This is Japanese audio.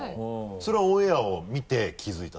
それはオンエアを見て気づいた？